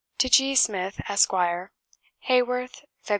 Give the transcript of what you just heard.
To G. SMITH, ESQ. "Haworth, Feb.